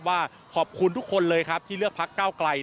ว่าขอบคุณทุกคนเลยครับที่เลือกพักเก้าไกล